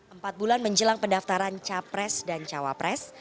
empat bulan menjelang pendaftaran capres dan cawapres